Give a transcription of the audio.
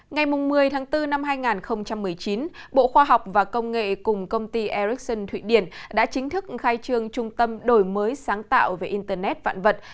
ngày một mươi tháng bốn năm hai nghìn một mươi chín bộ khoa học và công nghệ cùng công ty ericsson thụy điển đã chính thức khai trương trung tâm đổi mới sáng tạo về internet vạn vật